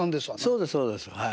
そうですそうですはい。